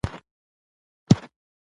سړي وويل سمه ده.